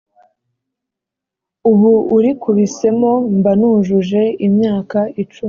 ubu uri kubisemo mba nujuje imyaka icumi